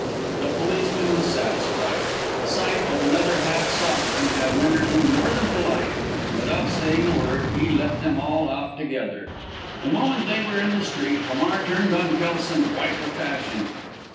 The policeman was satisfied. The sight of another half sovereign had rendered him more than polite, and, without saying a word, he let them all out together. The moment they were in the street, Hamar turned on Kelson, white with passion.